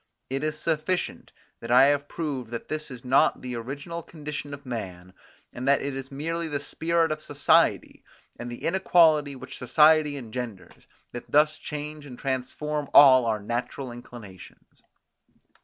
It is sufficient that I have proved that this is not the original condition of man, and that it is merely the spirit of society, and the inequality which society engenders, that thus change and transform all our natural inclinations.